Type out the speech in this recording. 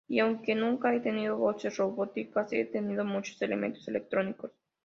Y aunque nunca he tenido voces robóticas, he tenido muchos elementos electrónicos".